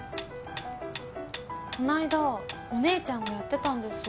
こないだお姉ちゃんがやってたんですよ。